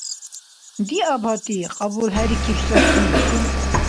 – Диаб гьатӀи, – кьабулхӀерикиб Саки.